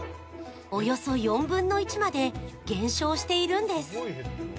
およそ４分の１まで減少しているんです。